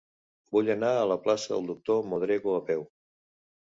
Vull anar a la plaça del Doctor Modrego a peu.